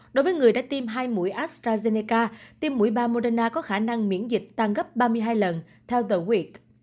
đối với người đã tiêm hai mũi astrazeneca tiêm mũi ba moderna có khả năng miễn dịch tăng gấp ba mươi hai lần theo tờ nguyệt